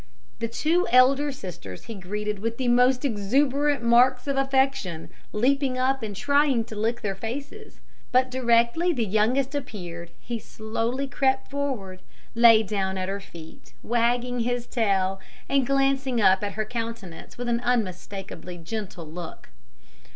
The two elder sisters he greeted with the most exuberant marks of affection, leaping up and trying to lick their faces; but directly the youngest appeared he slowly crept forward, lay down at her feet, wagging his tail, and glancing up at her countenance with an unmistakably gentle look.